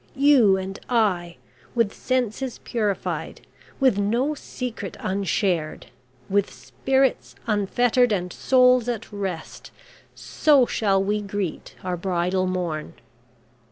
You and I, with senses purified, with no secret unshared, with spirits unfettered and souls at rest, so shall we greet our bridal morn.